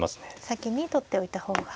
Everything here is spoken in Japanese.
先に取っておいた方が。